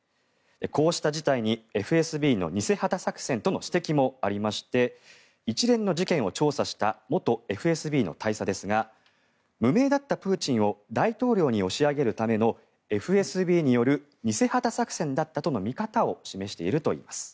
こうした事態にＦＳＢの偽旗作戦との指摘もありまして一連の事件を調査した元ＦＳＢの大佐ですが無名だったプーチンを大統領に押し上げるためのＦＳＢによる偽旗作戦だったとの見方を示しているといいます。